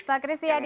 pak kristi yadi